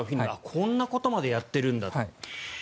こんなことまでやっているんだと。